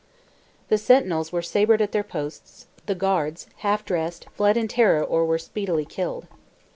The sentinels were sabred at their posts, the guards, half dressed, fled in terror or were speedily killed.